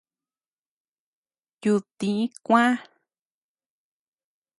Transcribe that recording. Yudtï kuä.